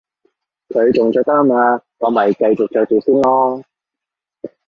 佢仲着得吖嘛，我咪繼續着住先囉